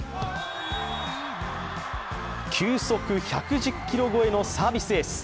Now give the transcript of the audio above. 球速１１０キロ超えのサービスエース。